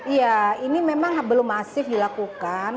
iya ini memang belum masif dilakukan